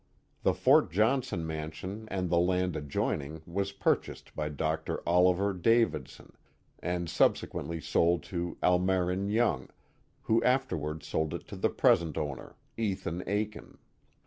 The Fort Johnson mansion and the land adjoining was pur chased by Dr. Oliver Davidson, and subsequently sold to Almarin Young, who afterwards sold it to the present owner, Ethan Akin.